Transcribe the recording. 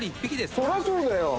そりゃそうだよ。